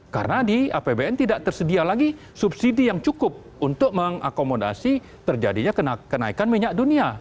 karena di apbn tidak tersedia lagi subsidi yang cukup untuk mengakomodasi terjadinya kenaikan minyak dunia